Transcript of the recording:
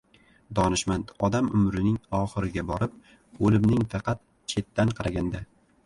Donishmand odam umrining oxiriga borib o‘limning faqat chetdan qaraganda